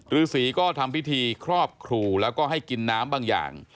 ฤษีก็ทำพิธีครอบครูแล้วก็ให้กินน้ำบางอย่าง